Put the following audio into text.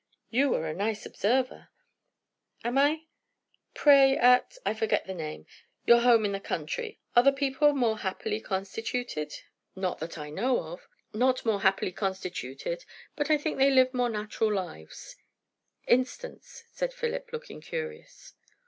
"You are a nice observer!" "Am I?" "Pray, at I forget the name your home in the country, are the people more happily constituted?" "Not that I know of. Not more happily constituted; but I think they live more natural lives." "Instance!" said Philip, looking curious.